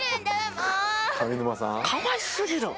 かわいすぎる？